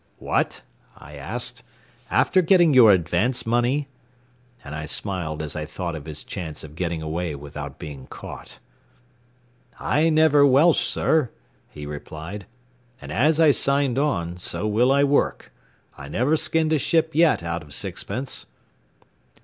"What?" I asked; "after getting your advance money?" And I smiled as I thought of his chance of getting away without being caught. "I never welsh, sir," he replied, "and as I signed on, so will I work. I never skinned a ship yet out of sixpence."